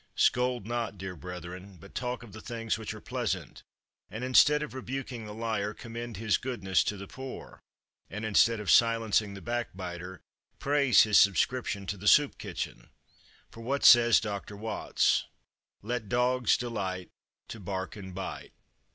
Scold not, dear brethren, but talk of the things which are pleasant, and instead of rebuking the liar, commend his goodness to the poor, and instead of silencing the backbiter, praise his subscription to the soup kitchen. For what says Dr. Watts? "'Let dogs delight to bark and bite.'